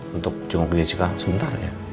untuk jenguk jessica sebentar ya